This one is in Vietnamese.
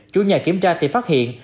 chú nhà kiểm tra thì phát hiện